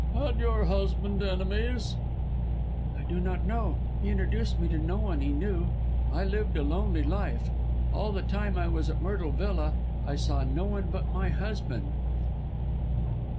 "Had your husband enemies?" "I do not know. He introduced me to no one he knew. I lived a lonely life. All the time I was at Myrtle Villa I saw no one but my husband."